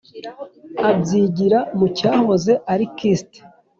abyigira mu cyahoze ari kist.